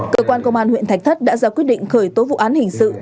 cơ quan công an huyện thạch thất đã ra quyết định khởi tố vụ án hình sự